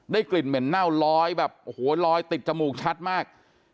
กลิ่นเหม็นเน่าลอยแบบโอ้โหลอยติดจมูกชัดมาก